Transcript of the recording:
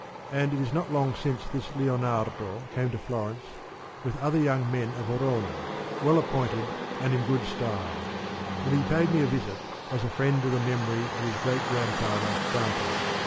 And it is not long since this Lionardo came to Florence with other young men of Verona, well appointed and in good style; and he paid me a visit as a friend of the memory of his great grandfather, Dante.